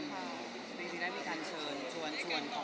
ในจริงได้มีการชวน